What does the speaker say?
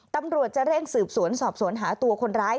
ตำรวจจะเร่งสืบสวนสอบสวนหาตัวคนร้าย